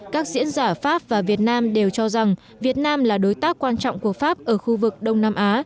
các diễn giả pháp và việt nam đều cho rằng việt nam là đối tác quan trọng của pháp ở khu vực đông nam á